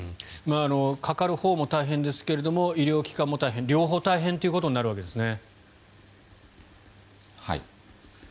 かかるほうも大変ですが医療機関も大変両方大変ということになるんですね。